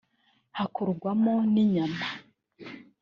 hakorwamo n’inyama